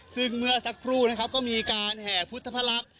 ซึ่งเมื่อสักครู่นะครับก็มีการแห่พุทธพระลักษณ์